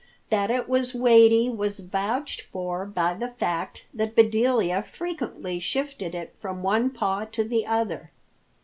That it was weighty was vouched for by the fact that Bedelia frequently shifted it from one paw to the other.